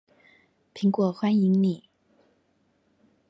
蘋果歡迎你